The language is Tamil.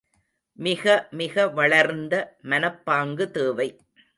மிகமிக வளர்ந்த மனப்பாங்கு தேவை.